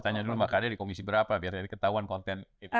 tanya dulu mbak karya di komisi berapa biar jadi ketahuan konten itu